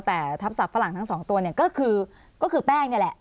แต่ทัพสัตว์ฝรั่งทั้งสองตัวเนี่ยก็คือแป้งนี่แหละ